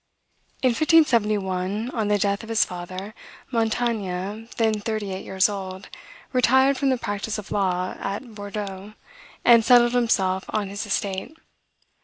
In 1571, on the death of his father, Montaigne, then thirty eight years old, retired from the practice of law, at Bordeaux, and settled himself on his estate.